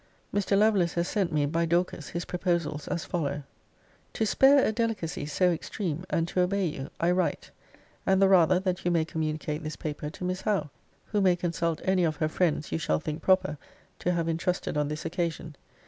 Mr. Lovelace has sent me, by Dorcas, his proposals, as follow: 'To spare a delicacy so extreme, and to obey you, I write: and the rather that you may communicate this paper to Miss Howe, who may consult any of her friends you shall think proper to have intrusted on this occasion.